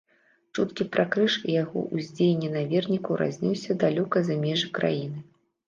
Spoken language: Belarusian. Чуткі пра крыж і яго ўздзеянне на вернікаў разнёсся далёка за межы краіны.